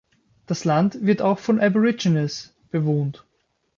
Das Land wird auch von Aborigines bewohnt.